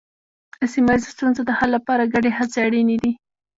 د سیمه ییزو ستونزو د حل لپاره ګډې هڅې اړینې دي.